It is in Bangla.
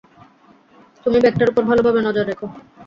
তুমি ব্যাগটার উপর ভালোভাবে নজর রেখ।